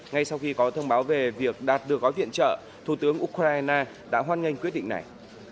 ngay sau khi có thông báo về việc đạt được gói viện trợ thủ tướng ukraine đã hoan nghênh quyết định này